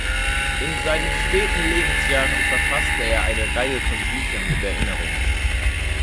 In seinen späten Lebensjahren verfasste er eine Reihe von Büchern mit Erinnerungen.